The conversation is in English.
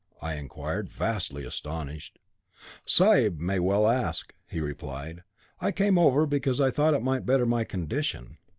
I inquired, vastly astonished. 'Sahib may well ask,' he replied. 'I came over because I thought I might better my condition.